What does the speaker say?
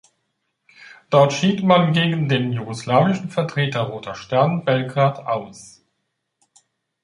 Dort schied man gegen den jugoslawischen Vertreter Roter Stern Belgrad aus.